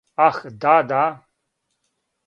Ах, да, да.